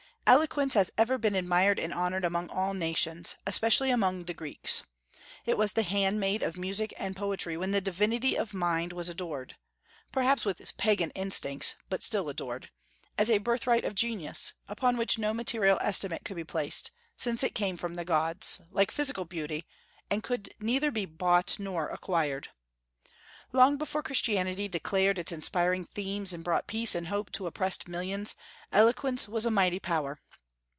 Eloquence has ever been admired and honored among all nations, especially among the Greeks. It was the handmaid of music and poetry when the divinity of mind was adored perhaps with Pagan instincts, but still adored as a birthright of genius, upon which no material estimate could be placed, since it came from the Gods, like physical beauty, and could neither be bought nor acquired. Long before Christianity declared its inspiring themes and brought peace and hope to oppressed millions, eloquence was a mighty power.